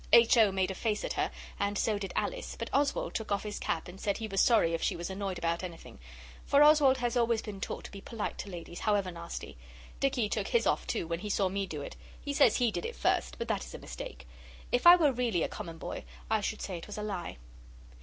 H. O. made a face at her and so did Alice, but Oswald took off his cap and said he was sorry if she was annoyed about anything; for Oswald has always been taught to be polite to ladies, however nasty. Dicky took his off, too, when he saw me do it; he says he did it first, but that is a mistake. If I were really a common boy I should say it was a lie.